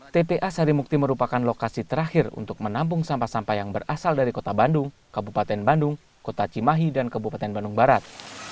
tpa sarimukti merupakan lokasi terakhir untuk menampung sampah sampah yang berasal dari kota bandung kabupaten bandung kota cimahi dan kabupaten bandung barat